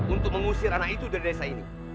untuk mengusir anak itu dari desa ini